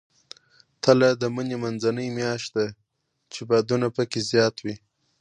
تله د مني منځنۍ میاشت ده، چې بادونه پکې زیات وي.